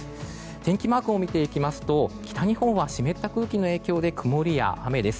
天気マークを見ていきますと北日本は湿った空気の影響で曇りや雨です。